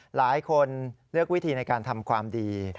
หลายคนเลือกวิธีในการทำความดี